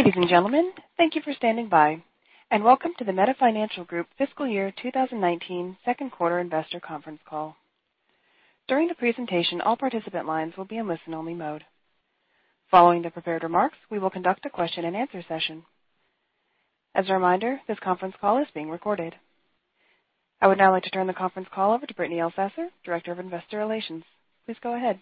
Ladies and gentlemen, thank you for standing by and welcome to the Meta Financial Group fiscal year 2019 second quarter investor conference call. During the presentation, all participant lines will be in listen-only mode. Following the prepared remarks, we will conduct a question and answer session. As a reminder, this conference call is being recorded. I would now like to turn the conference call over to Brittany Elsasser, Director of Investor Relations. Please go ahead.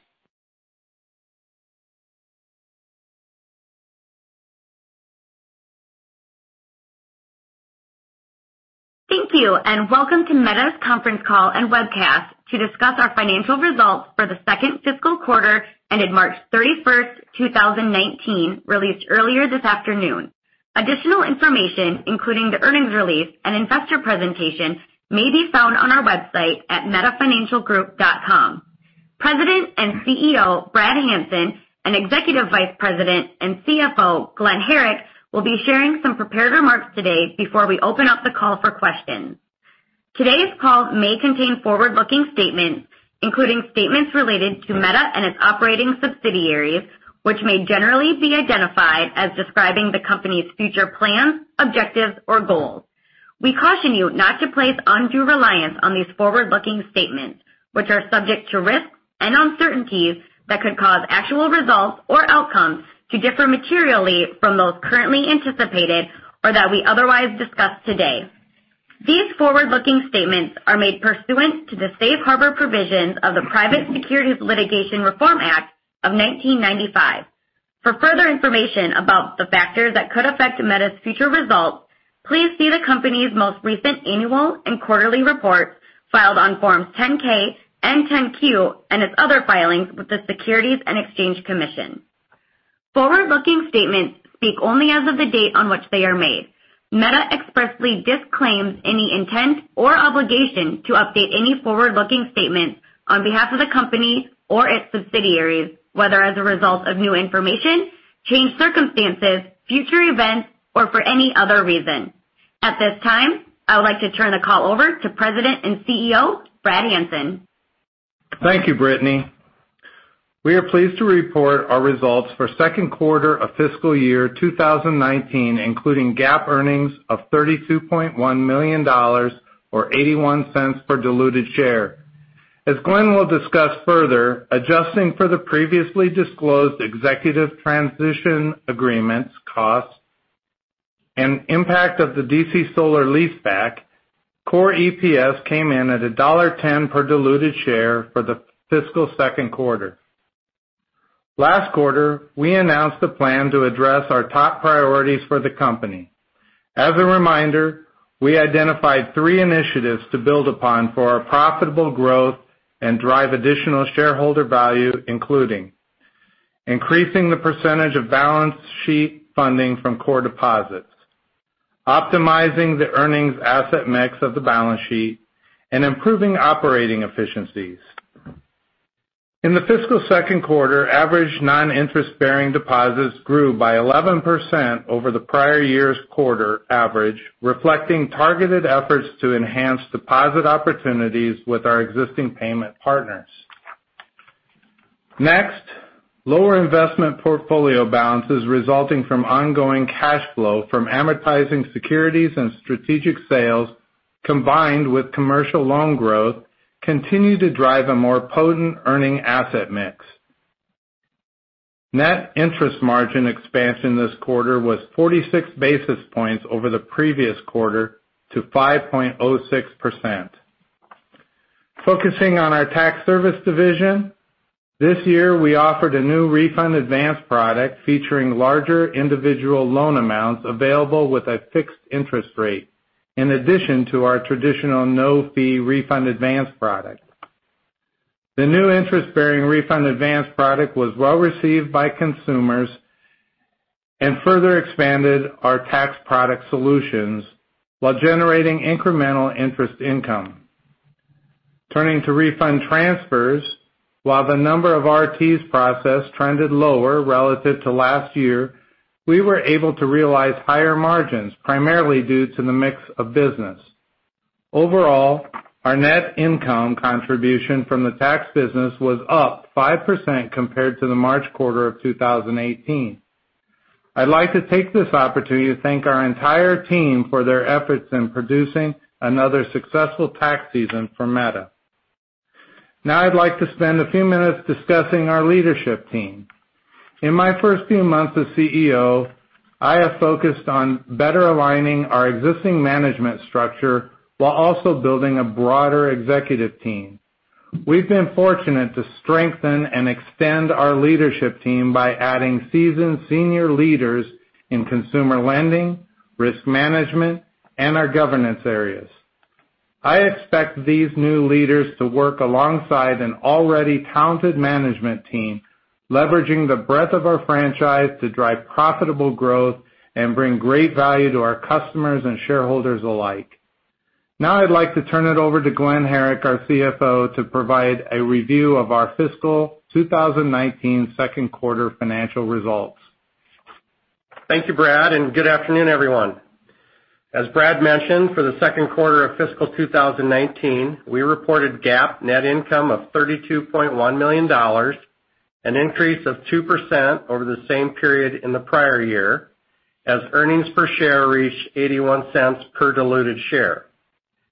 Thank you, welcome to Meta's conference call and webcast to discuss our financial results for the second fiscal quarter ended March 31st, 2019, released earlier this afternoon. Additional information, including the earnings release and investor presentation, may be found on our website at metafinancialgroup.com. President and CEO, Brad Hanson, and Executive Vice President and CFO, Glen Herrick, will be sharing some prepared remarks today before we open up the call for questions. Today's call may contain forward-looking statements, including statements related to Meta and its operating subsidiaries, which may generally be identified as describing the company's future plans, objectives, or goals. We caution you not to place undue reliance on these forward-looking statements, which are subject to risks and uncertainties that could cause actual results or outcomes to differ materially from those currently anticipated or that we otherwise discuss today. These forward-looking statements are made pursuant to the safe harbor provisions of the Private Securities Litigation Reform Act of 1995. For further information about the factors that could affect Meta's future results, please see the company's most recent annual and quarterly reports filed on Forms 10-K and 10-Q and its other filings with the Securities and Exchange Commission. Forward-looking statements speak only as of the date on which they are made. Meta expressly disclaims any intent or obligation to update any forward-looking statements on behalf of the company or its subsidiaries, whether as a result of new information, changed circumstances, future events, or for any other reason. At this time, I would like to turn the call over to President and CEO, Brad Hanson. Thank you, Brittany. We are pleased to report our results for second quarter of fiscal year 2019, including GAAP earnings of $32.1 million, or $0.81 per diluted share. As Glen will discuss further, adjusting for the previously disclosed executive transition agreements cost and impact of the DC Solar leaseback, core EPS came in at $1.10 per diluted share for the fiscal second quarter. Last quarter, we announced a plan to address our top priorities for the company. As a reminder, we identified three initiatives to build upon for our profitable growth and drive additional shareholder value, including increasing the percentage of balance sheet funding from core deposits, optimizing the earnings asset mix of the balance sheet, and improving operating efficiencies. In the fiscal second quarter, average non-interest-bearing deposits grew by 11% over the prior year's quarter average, reflecting targeted efforts to enhance deposit opportunities with our existing payment partners. Lower investment portfolio balances resulting from ongoing cash flow from amortizing securities and strategic sales, combined with commercial loan growth, continue to drive a more potent earning asset mix. Net interest margin expansion this quarter was 46 basis points over the previous quarter to 5.06%. Focusing on our tax service division, this year, we offered a new refund advance product featuring larger individual loan amounts available with a fixed interest rate, in addition to our traditional no-fee refund advance product. The new interest-bearing refund advance product was well-received by consumers and further expanded our tax product solutions while generating incremental interest income. Turning to Refund Transfers, while the number of RTs processed trended lower relative to last year, we were able to realize higher margins, primarily due to the mix of business. Our net income contribution from the tax business was up 5% compared to the March quarter of 2018. I'd like to take this opportunity to thank our entire team for their efforts in producing another successful tax season for Meta. I'd like to spend a few minutes discussing our leadership team. In my first few months as CEO, I have focused on better aligning our existing management structure while also building a broader executive team. We've been fortunate to strengthen and expand our leadership team by adding seasoned senior leaders in consumer lending, risk management, and our governance areas. I expect these new leaders to work alongside an already talented management team, leveraging the breadth of our franchise to drive profitable growth and bring great value to our customers and shareholders alike. I'd like to turn it over to Glen Herrick, our CFO, to provide a review of our fiscal 2019 second-quarter financial results. Thank you, Brad, and good afternoon, everyone. As Brad mentioned, for the second quarter of fiscal 2019, we reported GAAP net income of $32.1 million, an increase of 2% over the same period in the prior year, as earnings per share reached $0.81 per diluted share.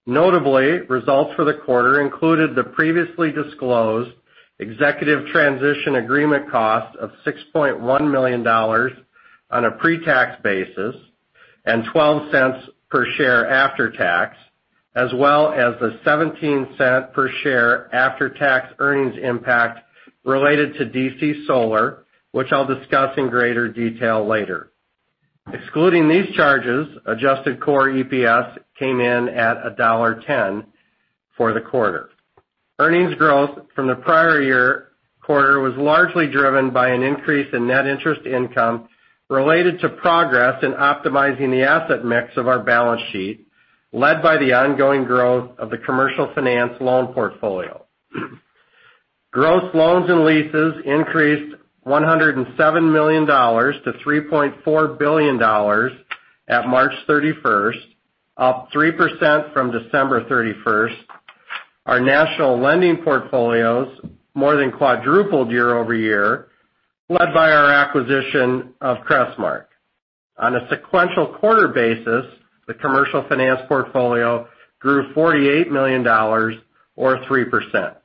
Notably, results for the quarter included the previously disclosed executive transition agreement cost of $6.1 million on a pre-tax basis and $0.12 per share after tax, as well as the $0.17 per share after-tax earnings impact related to DC Solar, which I'll discuss in greater detail later. Excluding these charges, adjusted core EPS came in at $1.10 for the quarter. Earnings growth from the prior year quarter was largely driven by an increase in net interest income related to progress in optimizing the asset mix of our balance sheet, led by the ongoing growth of the commercial finance loan portfolio. Gross loans and leases increased $107 million to $3.4 billion at March 31st, up 3% from December 31st. Our national lending portfolios more than quadrupled year-over-year, led by our acquisition of Crestmark. On a sequential quarter basis, the commercial finance portfolio grew $48 million, or 3%.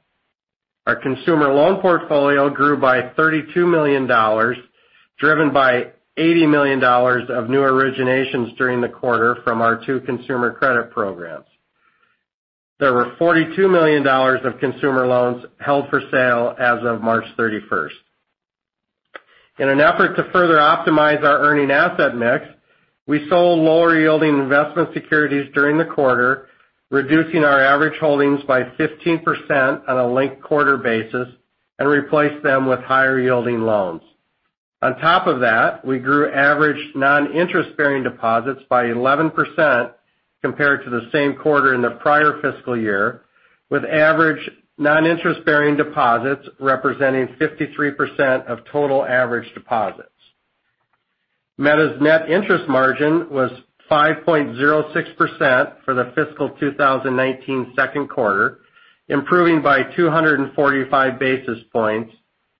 Our consumer loan portfolio grew by $32 million, driven by $80 million of new originations during the quarter from our two consumer credit programs. There were $42 million of consumer loans held for sale as of March 31st. In an effort to further optimize our earning asset mix, we sold lower-yielding investment securities during the quarter, reducing our average holdings by 15% on a linked-quarter basis and replaced them with higher-yielding loans. On top of that, we grew average non-interest-bearing deposits by 11% compared to the same quarter in the prior fiscal year, with average non-interest-bearing deposits representing 53% of total average deposits. Meta's net interest margin was 5.06% for the fiscal 2019 second quarter, improving by 245 basis points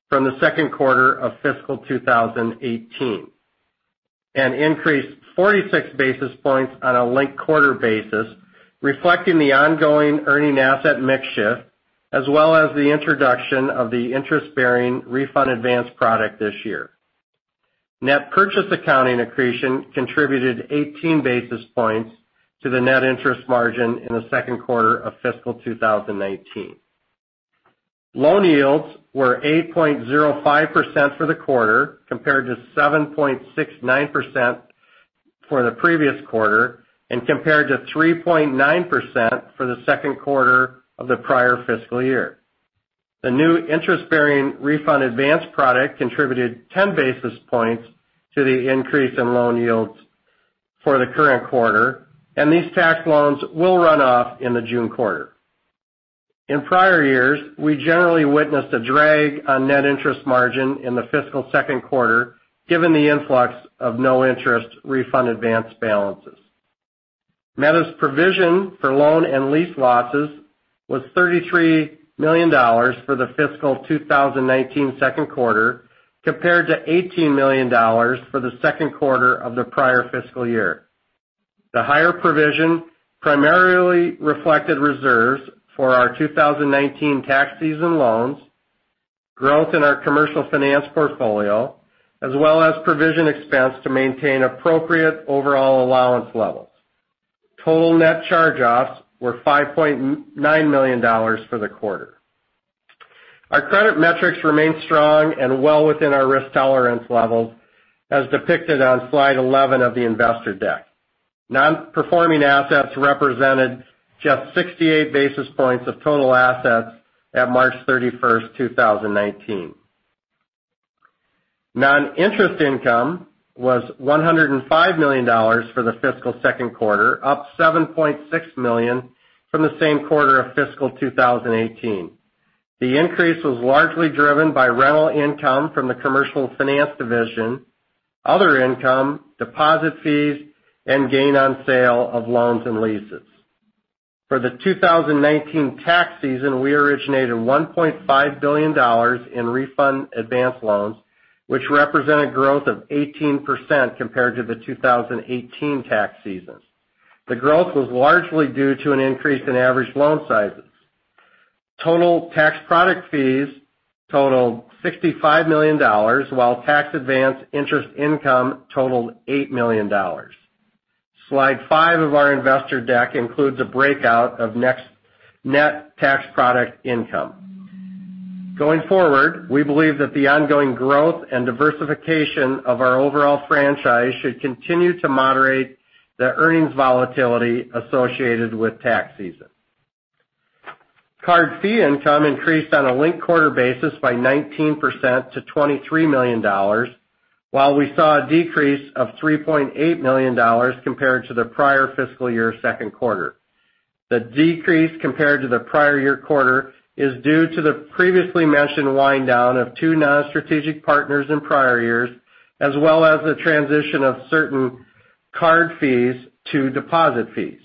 from the second quarter of fiscal 2018, and increased 46 basis points on a linked-quarter basis, reflecting the ongoing earning asset mix shift, as well as the introduction of the interest-bearing refund advance product this year. Net purchase accounting accretion contributed 18 basis points to the net interest margin in the second quarter of fiscal 2019. Loan yields were 8.05% for the quarter, compared to 7.69% for the previous quarter and compared to 3.9% for the second quarter of the prior fiscal year. The new interest-bearing refund advance product contributed 10 basis points to the increase in loan yields for the current quarter, and these tax loans will run off in the June quarter. In prior years, we generally witnessed a drag on net interest margin in the fiscal second quarter, given the influx of no-interest refund advance balances. Meta's provision for loan and lease losses was $33 million for the fiscal 2019 second quarter, compared to $18 million for the second quarter of the prior fiscal year. The higher provision primarily reflected reserves for our 2019 tax season loans, growth in our commercial finance portfolio, as well as provision expense to maintain appropriate overall allowance levels. Total net charge-offs were $5.9 million for the quarter. Our credit metrics remain strong and well within our risk tolerance levels, as depicted on slide 11 of the investor deck. Non-performing assets represented just 68 basis points of total assets at March 31st, 2019. Non-interest income was $105 million for the fiscal second quarter, up $7.6 million from the same quarter of fiscal 2018. The increase was largely driven by rental income from the commercial finance division, other income, deposit fees, and gain on sale of loans and leases. For the 2019 tax season, we originated $1.5 billion in refund advance loans, which represented growth of 18% compared to the 2018 tax season. The growth was largely due to an increase in average loan sizes. Total tax product fees totaled $65 million, while tax advance interest income totaled $8 million. Slide five of our investor deck includes a breakout of net tax product income. Going forward, we believe that the ongoing growth and diversification of our overall franchise should continue to moderate the earnings volatility associated with tax season. Card fee income increased on a linked-quarter basis by 19% to $23 million, while we saw a decrease of $3.8 million compared to the prior fiscal year second quarter. The decrease compared to the prior year quarter is due to the previously mentioned wind down of two non-strategic partners in prior years, as well as the transition of certain card fees to deposit fees.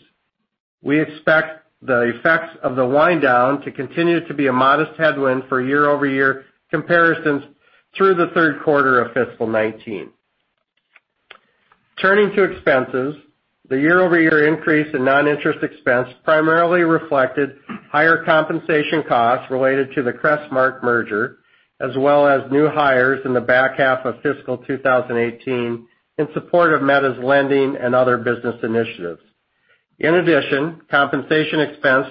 We expect the effects of the wind down to continue to be a modest headwind for year-over-year comparisons through the third quarter of fiscal 2019. Turning to expenses, the year-over-year increase in non-interest expense primarily reflected higher compensation costs related to the Crestmark merger, as well as new hires in the back half of fiscal 2018 in support of Meta's lending and other business initiatives. In addition, compensation expense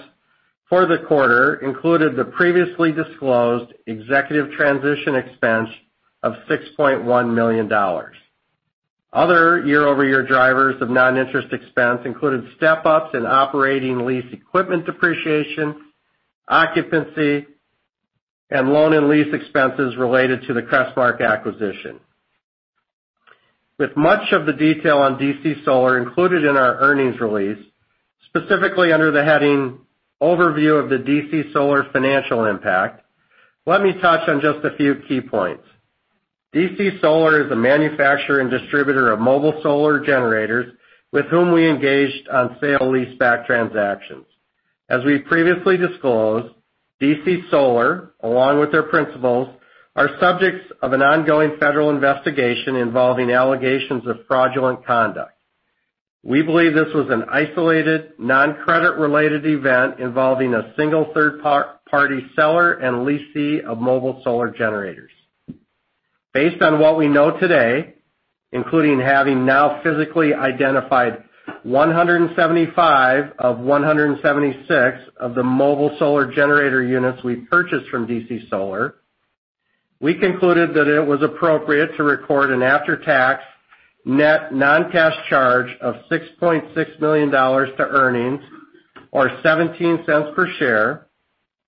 for the quarter included the previously disclosed executive transition expense of $6.1 million. Other year-over-year drivers of non-interest expense included step-ups in operating lease equipment depreciation, occupancy, and loan and lease expenses related to the Crestmark acquisition. With much of the detail on DC Solar included in our earnings release, specifically under the heading Overview of the DC Solar Financial Impact, let me touch on just a few key points. DC Solar is a manufacturer and distributor of mobile solar generators with whom we engaged on sale leaseback transactions. As we previously disclosed, DC Solar, along with their principals, are subjects of an ongoing federal investigation involving allegations of fraudulent conduct. We believe this was an isolated, non-credit-related event involving a single third-party seller and lessee of mobile solar generators. Based on what we know today, including having now physically identified 175 of 176 of the mobile solar generator units we purchased from DC Solar, we concluded that it was appropriate to record an after-tax net non-cash charge of $6.6 million to earnings or $0.17 per share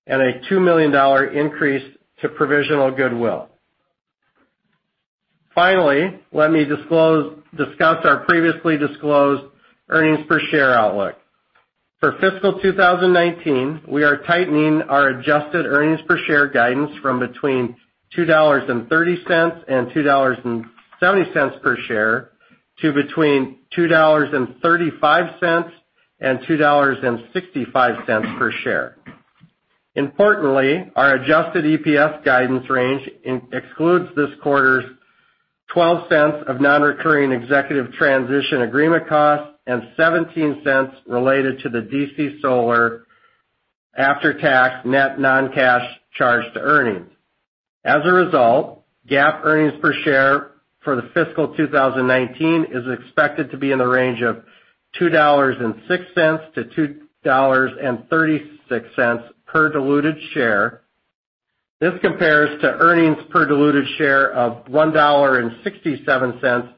and a $2 million increase to provisional goodwill. Finally, let me discuss our previously disclosed earnings per share outlook. For fiscal 2019, we are tightening our adjusted earnings per share guidance from between $2.30 and $2.70 per share to between $2.35 and $2.65 per share. Importantly, our adjusted EPS guidance range excludes this quarter's $0.12 of non-recurring executive transition agreement costs and $0.17 related to the DC Solar after-tax net non-cash charge to earnings. As a result, GAAP earnings per share for the fiscal 2019 is expected to be in the range of $2.06 to $2.36 per diluted share. This compares to earnings per diluted share of $1.67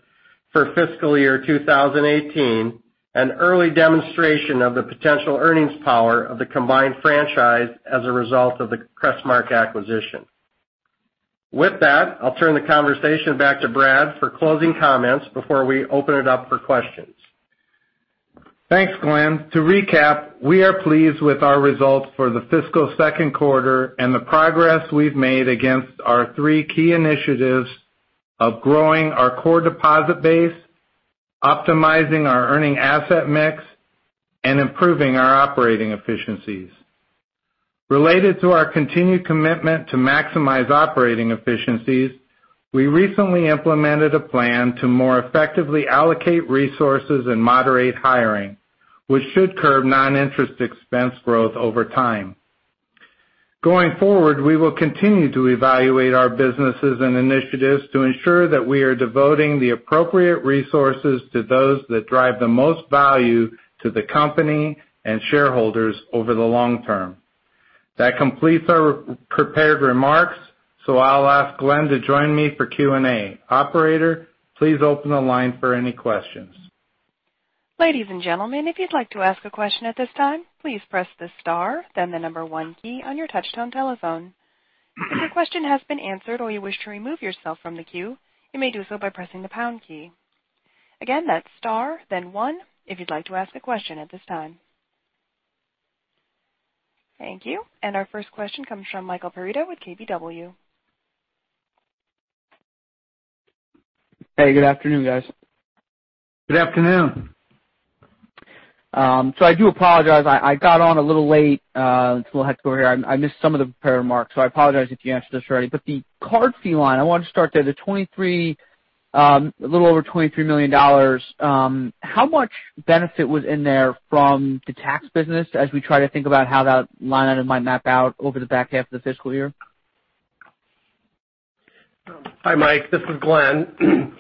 for fiscal year 2018, an early demonstration of the potential earnings power of the combined franchise as a result of the Crestmark acquisition. With that, I'll turn the conversation back to Brad for closing comments before we open it up for questions. Thanks, Glen. To recap, we are pleased with our results for the fiscal second quarter and the progress we've made against our three key initiatives of growing our core deposit base, optimizing our earning asset mix, and improving our operating efficiencies. Related to our continued commitment to maximize operating efficiencies, we recently implemented a plan to more effectively allocate resources and moderate hiring, which should curb non-interest expense growth over time. Going forward, we will continue to evaluate our businesses and initiatives to ensure that we are devoting the appropriate resources to those that drive the most value to the company and shareholders over the long term. That completes our prepared remarks, I'll ask Glen to join me for Q&A. Operator, please open the line for any questions. Ladies and gentlemen, if you'd like to ask a question at this time, please press the star then the number one key on your touchtone telephone. If your question has been answered or you wish to remove yourself from the queue, you may do so by pressing the pound key. Again, that's star then one if you'd like to ask a question at this time. Thank you. Our first question comes from Michael Perito with KBW. Hey, good afternoon, guys. Good afternoon. I do apologize. I got on a little late. We'll head over here. I missed some of the prepared remarks, I apologize if you answered this already. The card fee line, I wanted to start there. The little over $23 million, how much benefit was in there from the tax business as we try to think about how that line item might map out over the back half of the fiscal year? Hi, Mike, this is Glen.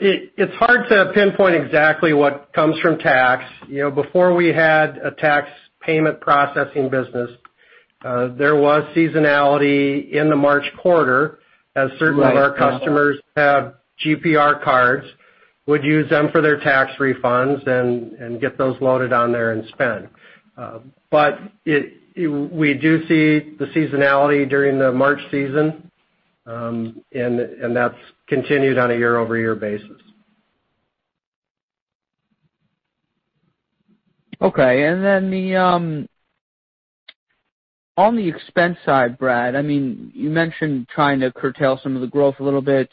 It's hard to pinpoint exactly what comes from tax. Before we had a tax payment processing business, there was seasonality in the March quarter as Right. Of our customers have GPR cards, would use them for their tax refunds and get those loaded on there and spend. We do see the seasonality during the March season. That's continued on a year-over-year basis. Okay. On the expense side, Brad, you mentioned trying to curtail some of the growth a little bit,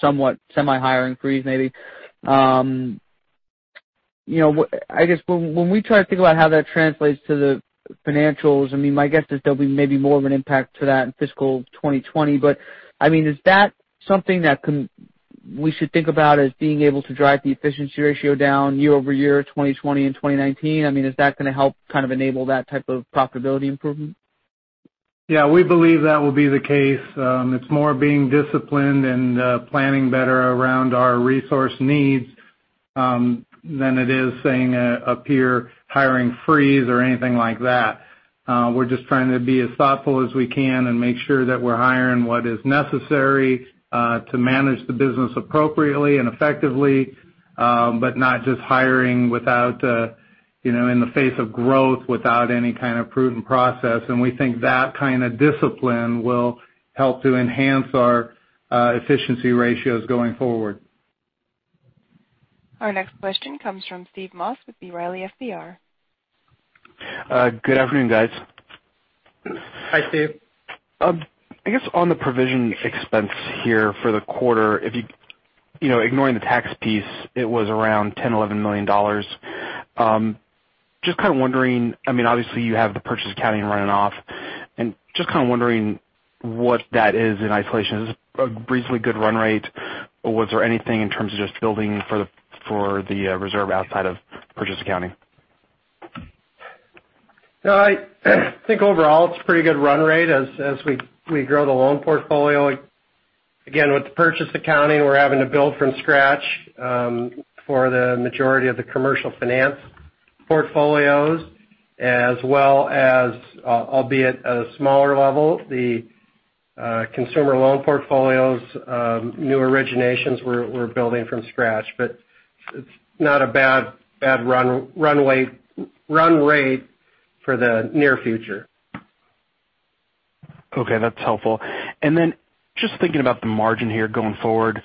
somewhat semi-hiring freeze maybe. I guess when we try to think about how that translates to the financials, my guess is there'll be maybe more of an impact to that in fiscal 2020. Is that something that we should think about as being able to drive the efficiency ratio down year-over-year 2020 and 2019? Is that going to help kind of enable that type of profitability improvement? Yeah, we believe that will be the case. It's more being disciplined and planning better around our resource needs, than it is saying a pure hiring freeze or anything like that. We're just trying to be as thoughtful as we can and make sure that we're hiring what is necessary to manage the business appropriately and effectively, but not just hiring in the face of growth without any kind of proven process. We think that kind of discipline will help to enhance our efficiency ratios going forward. Our next question comes from Steve Moss with B. Riley FBR. Good afternoon, guys. Hi, Steve. I guess on the provision expense here for the quarter, ignoring the tax piece, it was around $10 million-$11 million. Just kind of wondering, obviously, you have the purchase accounting running off, and just kind of wondering what that is in isolation. Is this a reasonably good run rate, or was there anything in terms of just building for the reserve outside of purchase accounting? No, I think overall, it's a pretty good run rate as we grow the loan portfolio. Again, with the purchase accounting, we're having to build from scratch for the majority of the commercial finance portfolios as well as, albeit at a smaller level, the consumer loan portfolios, new originations we're building from scratch. It's not a bad run rate for the near future. Okay, that's helpful. Just thinking about the margin here going forward.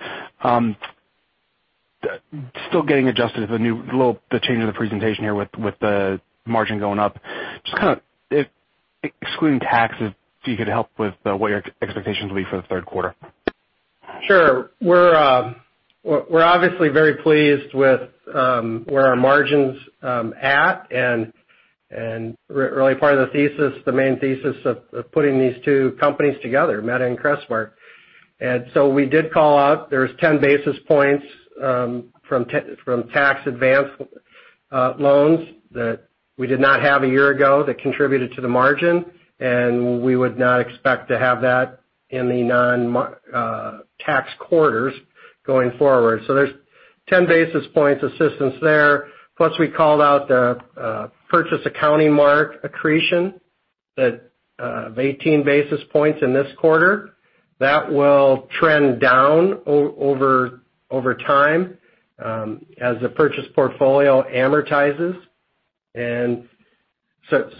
Still getting adjusted to the change in the presentation here with the margin going up. Just kind of excluding taxes, if you could help with what your expectations will be for the third quarter. Sure. We're obviously very pleased with where our margin's at, and really part of the main thesis of putting these two companies together, Meta and Crestmark. We did call out, there's 10 basis points from tax advance loans that we did not have a year ago that contributed to the margin, and we would not expect to have that in the non-tax quarters going forward. There's 10 basis points assistance there. Plus, we called out the purchase accounting mark accretion of 18 basis points in this quarter. That will trend down over time as the purchase portfolio amortizes. There's some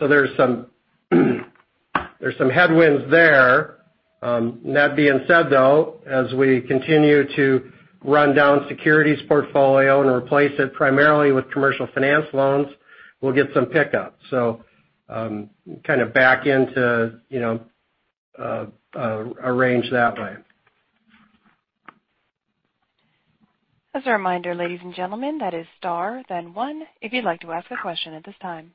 headwinds there. That being said, though, as we continue to run down securities portfolio and replace it primarily with commercial finance loans, we'll get some pickup. Kind of back into a range that way. As a reminder, ladies and gentlemen, that is star, then one if you'd like to ask a question at this time.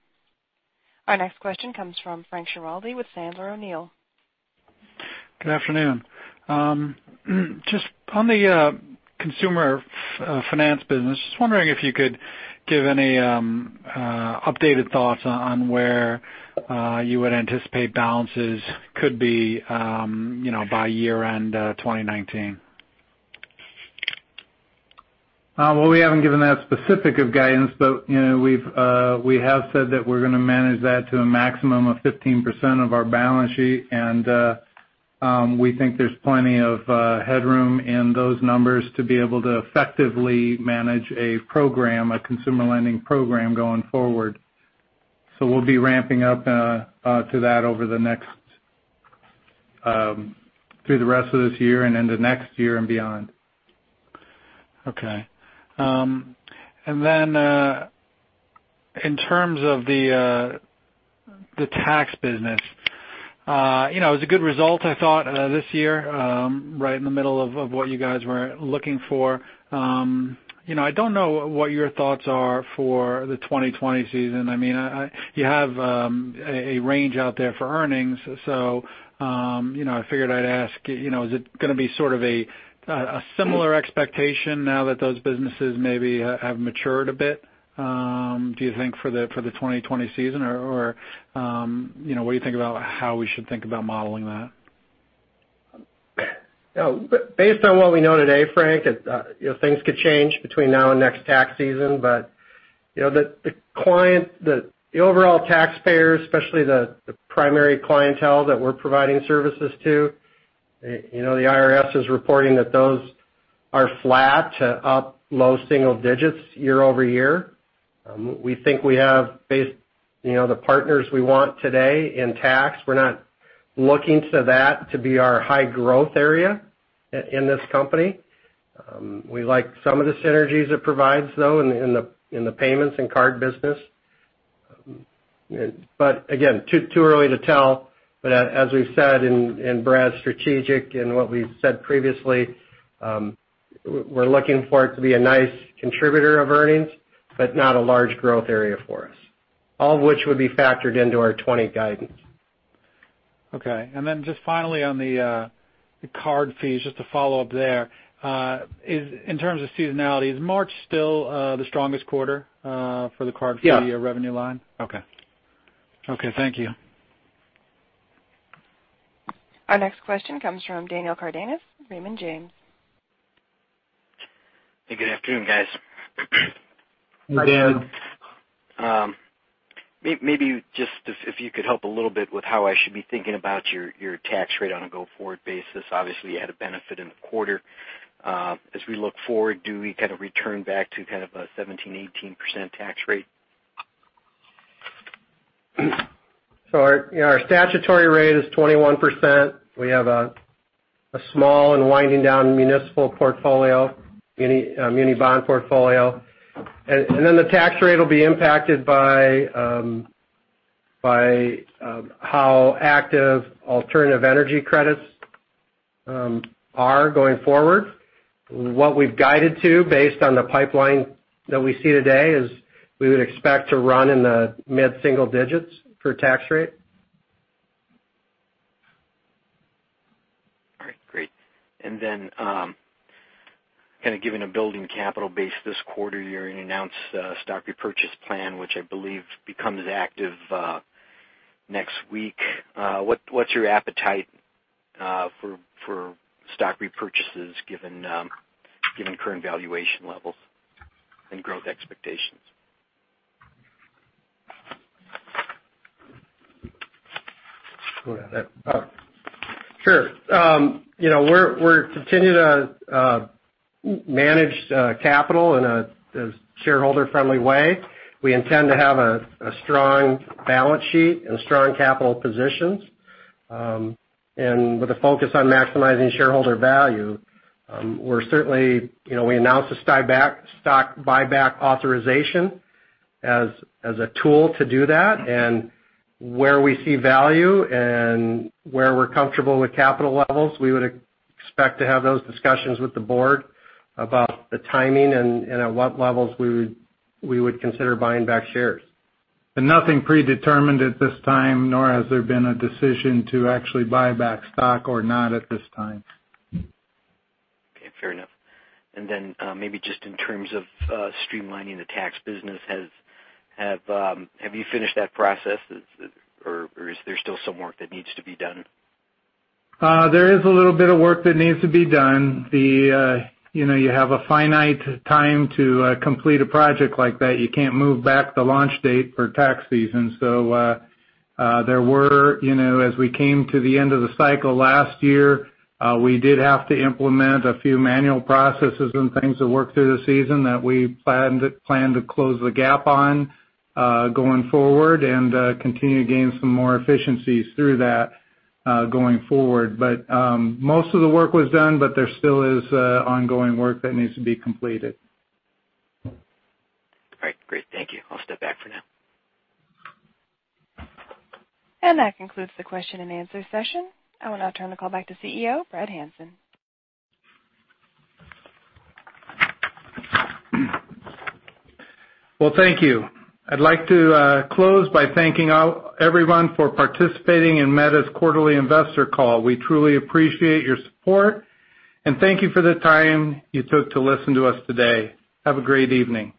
Our next question comes from Frank Schiraldi with Sandler O'Neill. Good afternoon. Just on the consumer finance business, just wondering if you could give any updated thoughts on where you would anticipate balances could be by year-end 2019. We haven't given that specific of guidance, but we have said that we're going to manage that to a maximum of 15% of our balance sheet, and we think there's plenty of headroom in those numbers to be able to effectively manage a consumer lending program going forward. We'll be ramping up to that through the rest of this year and into next year and beyond. In terms of the tax business, it was a good result, I thought, this year, right in the middle of what you guys were looking for. I don't know what your thoughts are for the 2020 season. You have a range out there for earnings. I figured I'd ask, is it going to be sort of a similar expectation now that those businesses maybe have matured a bit do you think for the 2020 season? What do you think about how we should think about modeling that? Based on what we know today, Frank, things could change between now and next tax season. The overall taxpayers, especially the primary clientele that we're providing services to, the IRS is reporting that those Are flat to up low single digits year-over-year. We think we have based the partners we want today in tax. We're not looking to that to be our high growth area in this company. We like some of the synergies it provides, though, in the payments and card business. Again, too early to tell. As we've said in Brad's strategic and what we've said previously, we're looking for it to be a nice contributor of earnings, but not a large growth area for us. All of which would be factored into our 2020 guidance. Okay. Then just finally on the card fees, just to follow up there, in terms of seasonality, is March still the strongest quarter for the card- Yeah fee revenue line? Okay. Thank you. Our next question comes from Daniel Cardenas, Raymond James. Good afternoon, guys. Hi, Dan. Maybe just if you could help a little bit with how I should be thinking about your tax rate on a go-forward basis. Obviously, you had a benefit in the quarter. As we look forward, do we kind of return back to kind of a 17%-18% tax rate? Our statutory rate is 21%. We have a small and winding down municipal portfolio, muni bond portfolio. The tax rate will be impacted by how active alternative energy credits are going forward. What we've guided to based on the pipeline that we see today is we would expect to run in the mid-single digits for tax rate. All right, great. Kind of given a building capital base this quarter, you announced a stock repurchase plan, which I believe becomes active next week. What's your appetite for stock repurchases given current valuation levels and growth expectations? Sure. We continue to manage capital in a shareholder-friendly way. We intend to have a strong balance sheet and strong capital positions. With a focus on maximizing shareholder value, we announced a stock buyback authorization as a tool to do that. Where we see value and where we're comfortable with capital levels, we would expect to have those discussions with the board about the timing and at what levels we would consider buying back shares. Nothing predetermined at this time, nor has there been a decision to actually buy back stock or not at this time. Okay, fair enough. Maybe just in terms of streamlining the tax business, have you finished that process? Is there still some work that needs to be done? There is a little bit of work that needs to be done. You have a finite time to complete a project like that. You can't move back the launch date for tax season. As we came to the end of the cycle last year, we did have to implement a few manual processes and things to work through the season that we plan to close the gap on, going forward and continue to gain some more efficiencies through that, going forward. Most of the work was done, but there still is ongoing work that needs to be completed. All right. Great. Thank you. I'll step back for now. That concludes the question and answer session. I will now turn the call back to CEO, Brad Hanson. Well, thank you. I'd like to close by thanking everyone for participating in Meta's quarterly investor call. We truly appreciate your support. Thank you for the time you took to listen to us today. Have a great evening.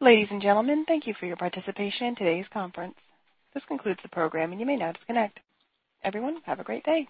Ladies and gentlemen, thank you for your participation in today's conference. This concludes the program, and you may now disconnect. Everyone, have a great day